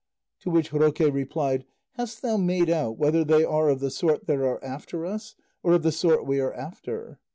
To which Roque replied, "Hast thou made out whether they are of the sort that are after us, or of the sort we are after?"